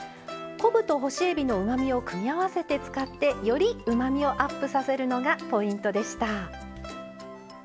昆布と干しえびのうまみを組み合わせて使ってよりうまみをアップさせるのがポイントでした。